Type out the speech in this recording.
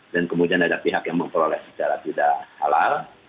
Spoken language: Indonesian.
kemudian ada pihak yang memperoleh secara tidak halal